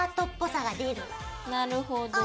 なるほど。